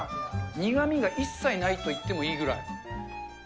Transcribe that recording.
苦みが一切ないといってもいいぐらい。